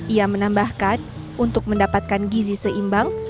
ia menambahkan untuk mendapatkan gizi seimbang